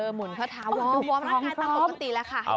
หมุนข้อเท้าวอร์มร่างกายต้องปกติแล้วค่ะ